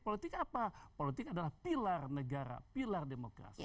politik apa politik adalah pilar negara pilar demokrasi